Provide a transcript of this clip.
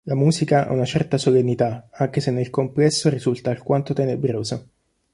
La musica ha una certa solennità, anche se nel complesso risulta alquanto tenebrosa.